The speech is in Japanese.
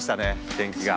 天気が。